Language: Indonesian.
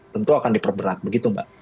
tentu akan diperberat begitu mbak